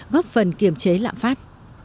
góp phần kiềm chế lạm phát